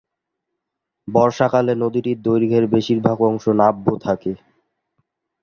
বর্ষাকালে নদীটির দৈর্ঘ্যের বেশির ভাগ অংশ নাব্য থাকে।